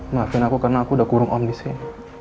maafin aku karena aku udah kurung om disini